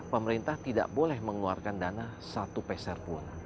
pemerintah tidak boleh mengeluarkan dana satu peser pun